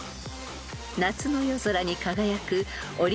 ［夏の夜空に輝く］